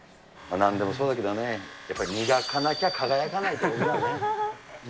なんでもそうだけどね、やっぱり磨かなきゃ輝かないということだね。